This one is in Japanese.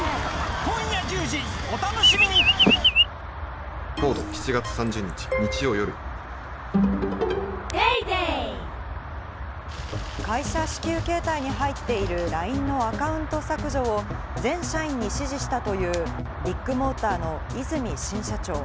「キュレルディープモイスチャースプレー」会社支給携帯に入っているＬＩＮＥのアカウント削除を全社員に指示したという、ビッグモーターの和泉新社長。